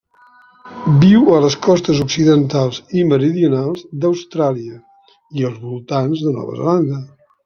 Viu a les costes occidentals i meridionals d'Austràlia i als voltants de Nova Zelanda.